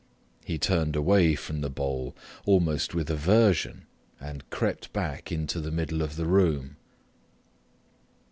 He turned away from the bowl almost with aversion and crept back into the middle of the room.